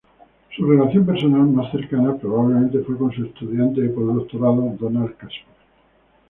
Su relación personal más cercana probablemente fue con su estudiante de postdoctorado, Donald Caspar.